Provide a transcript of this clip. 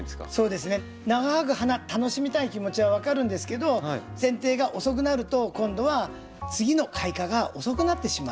長く花楽しみたい気持ちは分かるんですけどせん定が遅くなると今度は次の開花が遅くなってしまう。